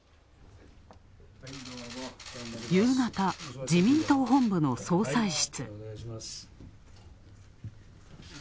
夕方、自民党本部の総裁室。